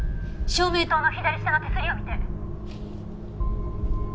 「照明塔の左下の手すりを見て」